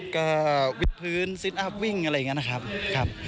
ก็วิ่งพื้นวิ่งอะไรอย่างเงี้ยนะครับครับ